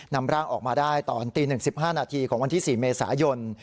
นำร่างออกมาได้ตอนตี๑๕นาทีของวันที่๔เมษายน